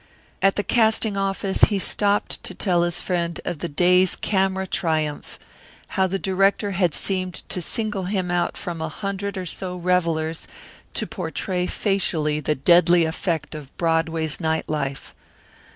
At the casting office he stopped to tell his friend of the day's camera triumph, how the director had seemed to single him out from a hundred or so revellers to portray facially the deadly effect of Broadway's night life.